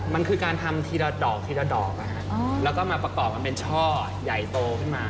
มันคือการทำทีละดอกทีละดอกแล้วก็มาประกอบกันเป็นช่อใหญ่โตขึ้นมา